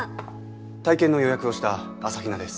体験の予約をした朝日奈です。